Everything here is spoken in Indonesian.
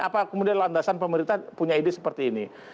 apa kemudian landasan pemerintah punya ide seperti ini